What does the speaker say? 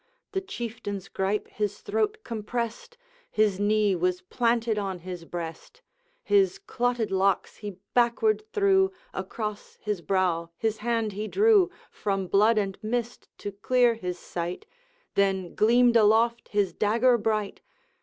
The Chieftain's gripe his throat compressed, His knee was planted on his breast; His clotted locks he backward threw, Across his brow his hand he drew, From blood and mist to clear his sight, Then gleamed aloft his dagger bright!